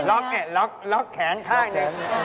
ล็อคเนี่ยล็อคแขนข้างหน่อย